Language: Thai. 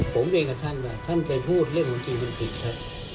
ผมไม่ได้กับท่านว่าท่านไปพูดเรื่องของจริงมันผิดครับ